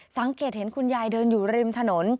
สังเกตเห็นคุณยายเดินอยู่ริมถนน